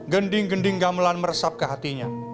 gending gending gamelan meresap ke hatinya